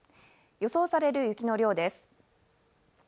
予想される雪の量です。